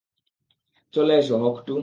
চলে এসো, হক-টু।